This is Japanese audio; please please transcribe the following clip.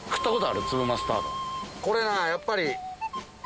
これなやっぱり。